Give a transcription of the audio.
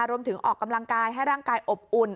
ออกกำลังกายให้ร่างกายอบอุ่น